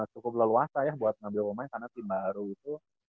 cukup leluasa ya buat ngambil pemain karena tim baru itu